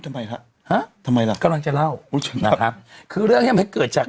ทำไมฮะฮะทำไมล่ะกำลังจะเล่านะครับคือเรื่องเนี้ยมันเกิดจาก